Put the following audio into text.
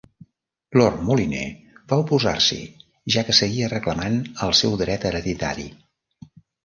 Lord Molyneux va oposar-s'hi, ja que seguia reclamant el seu dret hereditari.